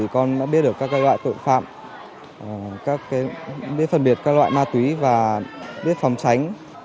con đã biết được các loại tội phạm biết phân biệt các loại ma túy và biết phòng tránh